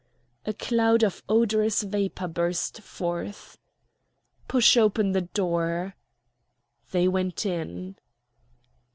A cloud of odorous vapour burst forth. "Push open the door!" They went in.